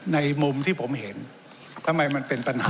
ในมุมที่ผมเห็นทำไมมันเป็นปัญหา